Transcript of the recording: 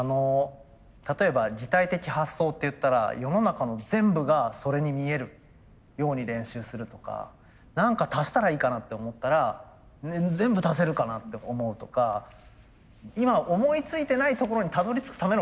例えば擬態的発想っていったら世の中の全部がそれに見えるように練習するとか何か足したらいいかなって思ったら全部足せるかなって思うとか今思いついてないところにたどりつくための練習なんですよ。